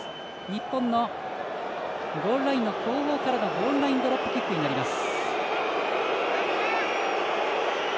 日本のゴールラインの後方からのゴールラインドロップキックになります。